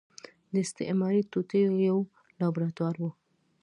د استعماري توطيو يو لابراتوار و.